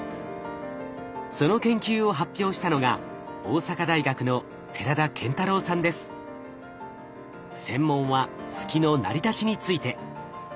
その研究を発表したのが専門は月の成り立ちについて。